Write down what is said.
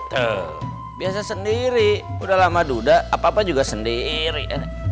tuh biasa sendiri udah lama duda apa apa juga sendiri